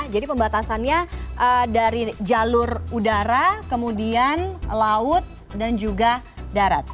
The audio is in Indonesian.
jadi pembatasannya dari jalur udara kemudian laut dan juga darat